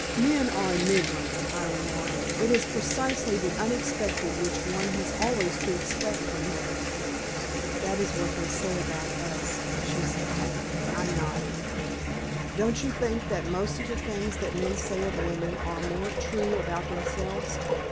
"Men are enigmas," I remarked. "It is precisely the unexpected which one has always to expect from them." "That is what they say about us," she said. I nodded. "Don't you think that most of the things that men say of women are more true about themselves?